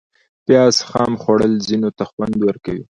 پیاز خام خوړل ځینو ته خوند ورکوي